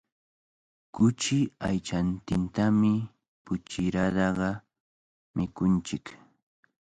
Kuchi aychantintami puchirutaqa mikunchik.